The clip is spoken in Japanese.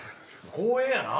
光栄やなぁ。